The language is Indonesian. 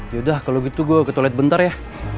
yaudah kalo gitu gue ke toilet bentar ya